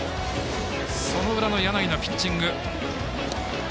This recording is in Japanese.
その裏の柳のピッチング。